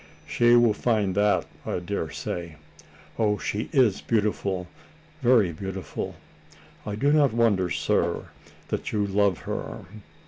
"She will find that, I daresay. Oh, she is beautiful very beautiful. I do not wonder, sir, that you love her!